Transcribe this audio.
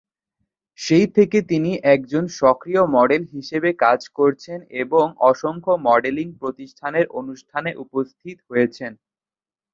সেই থেকে, তিনি একজন সক্রিয় মডেল হিসেবে কাজ করছেন এবং অসংখ্য মডেলিং প্রতিষ্ঠানের অনুষ্ঠানে উপস্থিত হয়েছেন।